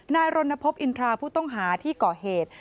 นายรณพบอินทราผู้ต้องหาที่ก่อเหตุ